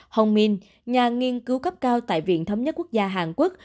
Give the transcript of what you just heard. hong min nhà nghiên cứu cấp cao tại viện thống nhất quốc gia hàn quốc